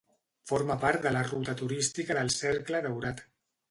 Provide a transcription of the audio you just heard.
Forma part de la ruta turística del Cercle Daurat.